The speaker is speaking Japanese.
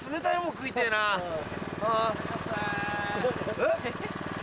えっ？